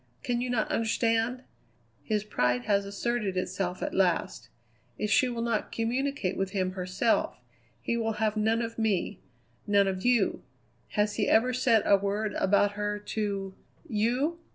Can you not understand? His pride has asserted itself at last. If she will not communicate with him herself, he will have none of me; none of you. Has he ever said a word about her to you?"